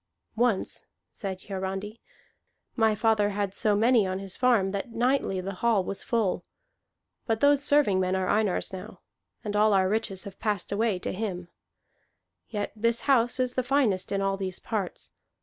"Once," said Hiarandi, "my father had so many on his farm that nightly the hall was full. But those serving men are Einar's now, and all our riches have passed away to him. Yet this house is the finest in all these parts.